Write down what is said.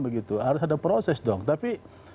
begitu harus ada proses dong tapi